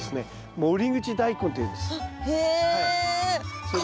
守口大根っていうんです。